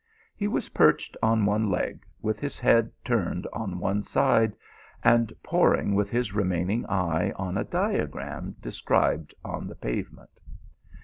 He was perched on one leg, with his head turned on one side, and poring with his remaining eye on a diagram described on the pavement.